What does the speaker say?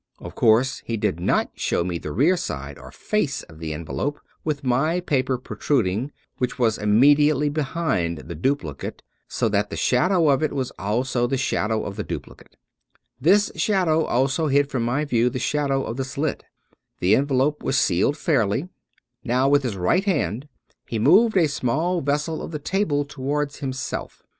Of course he did not show me the rear side or face of the envelope, with my paper protruding, which was immediately behind the duplicate, so that the shadow of it was also the shadow of the duplicate. This shadow also hid from my view the shadow of the slit. The envelope was sealed fairly. Now with his right hand he moved a small vessel on 245 True Stories of Modern Magic the table toward himself.